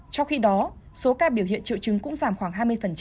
trong khi đó số ca biểu hiện triệu chứng cũng giảm khoảng hai mươi